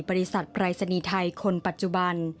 บริษัทปรายศนีย์ไทยคนปัจจุบัน